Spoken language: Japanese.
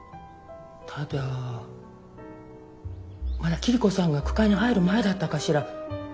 ただまだ桐子さんが句会に入る前だったかしら。